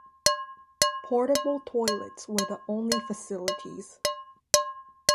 Portable toilets were the only facilities.